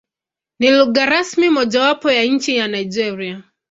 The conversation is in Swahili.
Ni lugha rasmi mojawapo ya nchi ya Nigeria.